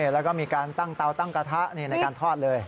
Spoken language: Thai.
แล้วก็มีการตั้งเตาตั้งกระทะในการทอดเลย